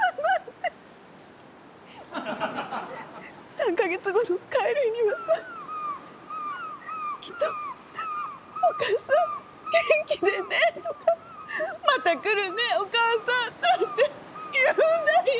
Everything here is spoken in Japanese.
３か月後の帰る日にはさきっと「お母さん元気でね」とか「また来るねお母さん」なんて言うんだよ！